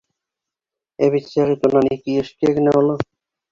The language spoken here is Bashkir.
Ә бит Сәғит унан ике йәшкә генә оло.